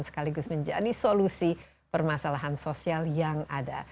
sekaligus menjadi solusi permasalahan sosial yang ada